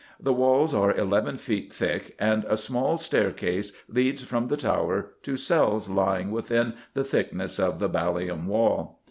The walls are eleven feet thick, and a small staircase leads from the tower to cells lying within the thickness of the Ballium Wall.